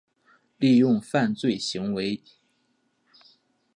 利用犯罪行为